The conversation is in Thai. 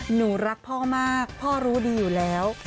หนูรักพ่อมากพ่อรู้ดีอยู่แล้ว